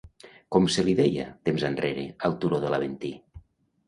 Com se li deia, temps enrere, al turó de l'Aventí?